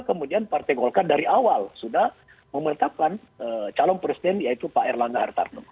kemudian partai golkar dari awal sudah memertapkan calon presiden yaitu pak erlangga hartarto